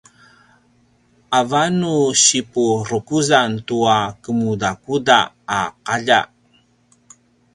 avan nu sipurukuzan tu kemudakuda a qalja